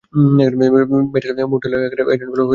মোটেলে পাঠানো এজেন্টগুলো এখন ফিরছে।